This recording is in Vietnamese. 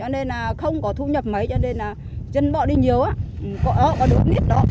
nên là dân bỏ đi nhiều có đứa nít đó